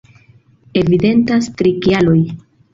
Evidentas tri kialoj.